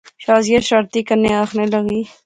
شازیہ شرارتی کنے آخنے لاغی